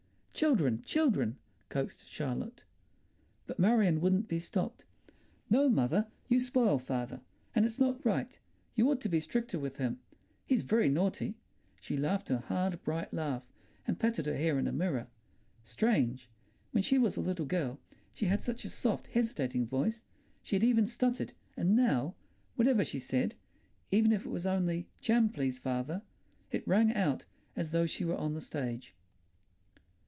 "Children, children?" coaxed Charlotte. But Marion wouldn't be stopped. "No, mother, you spoil father, and it's not right. You ought to be stricter with him. He's very naughty." She laughed her hard, bright laugh and patted her hair in a mirror. Strange! When she was a little girl she had such a soft, hesitating voice; she had even stuttered, and now, whatever she said—even if it was only "Jam, please, father"—it rang out as though she were on the stage.